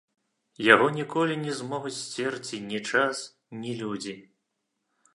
Яго ніколі не змогуць сцерці ні час, ні людзі.